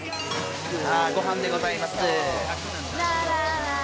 ご飯でございます。